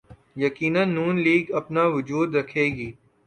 یقینا نون لیگ اپنا وجود رکھے گی۔